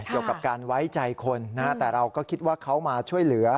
เกี่ยวกับการไว้ใจคนนะฮะแต่เราก็คิดว่าเขามาช่วยเหลือ